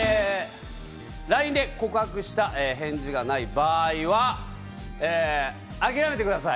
ＬＩＮＥで告白した返事がない場合は、諦めてください。